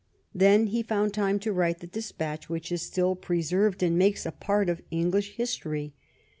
Then he found time to write the despatch which is still preserved and makes a part of English history.